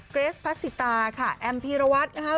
เกรสพัสสิตาค่ะแอมพีรวัตรนะคะ